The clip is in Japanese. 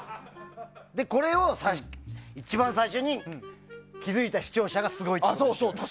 これを一番最初に気づいた視聴者がすごいっていうね。